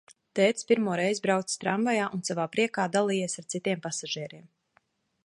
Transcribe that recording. Tētis pirmoreiz braucis tramvajā un savā priekā dalījies ar citiem pasažieriem.